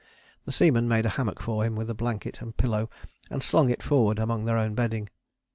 The seamen made a hammock for him with blanket and pillow, and slung it forward among their own bedding.